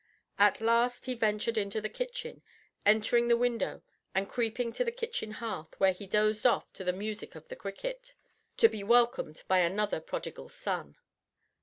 At last he ventured into the kitchen, entering by the window and creeping to the kitchen hearth, where he dozed off to the music of the cricket, to be welcomed like another Prodigal Son.